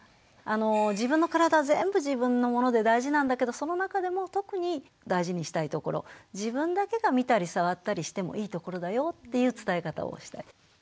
自分の体全部自分のもので大事なんだけどその中でも特に大事にしたいところ自分だけが見たり触ったりしてもいいところだよっていう伝え方をしたり。